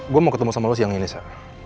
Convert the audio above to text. gue mau ketemu sama lo siang ini saya